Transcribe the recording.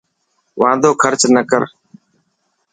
واندو خرچ نه ڪر.